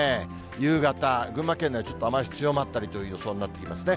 夕方、群馬県内、ちょっと雨足強まったりという予想になってきますね。